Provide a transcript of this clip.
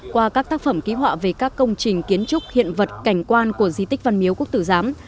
qua các tác phẩm ký họa về các công trình kiến trúc hiện vật cảnh quan của di tích văn miếu quốc tử giám